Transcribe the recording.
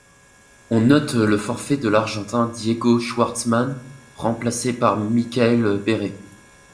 On note le forfait de l'Argentin Diego Schwartzman, remplacé par Michael Berrer.